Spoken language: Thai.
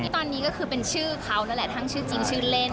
ตอนนี้ก็คือเป็นชื่อเขานั่นแหละทั้งชื่อจริงชื่อเล่น